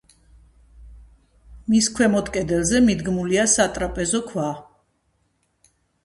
მის ქვემოთ კედელზე მიდგმულია სატრაპეზო ქვა.